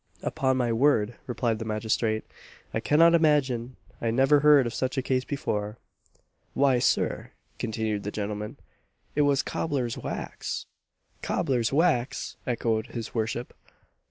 "Upon my word," replied the magistrate, "I cannot imagine I never heard of such a case before." "Why, Sir," continued the gentleman, "it was cobbler's wax!" "Cobbler's wax!" echoed his worship.